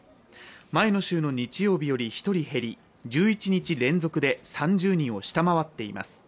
前の週の日曜日より１人減り１１日連続で３０人を下回っています。